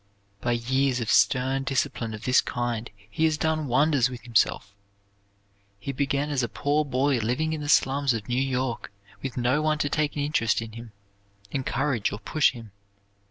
By years of stern discipline of this kind he has done wonders with himself. He began as a poor boy living in the slums of New York with no one to take an interest in him, encourage or push him.